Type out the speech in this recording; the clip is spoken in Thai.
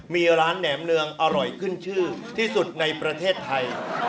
มีร้านแหนมเนืองอร่อยขึ้นชื่อที่สุดในประเทศไทย